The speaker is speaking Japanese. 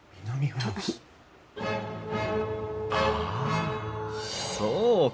ああそうか。